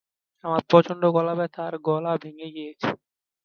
আমার প্রচন্ড গলা ব্যথা আর গলা ভেঙ্গে গিয়েছে।